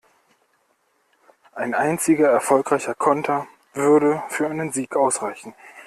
Ein einziger erfolgreicher Konter würde für einen Sieg ausreichen.